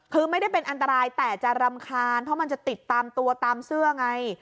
คือไม่ได้เป็นอันตรายแต่จะรำคาญเพราะมันจะติดตามตัวตามเสื้อไง